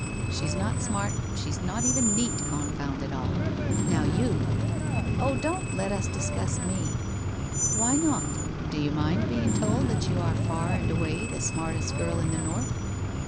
She's not smart, she's not even neat, confound it all I Now you '' Oh, don't let us discuss me !'' Why not? Do you mind being told that you are far and away the smartest girl in the North